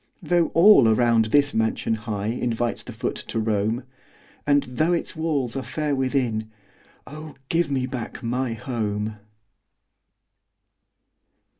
Though all around this mansion high Invites the foot to roam, And though its halls are fair within Oh, give me back my HOME!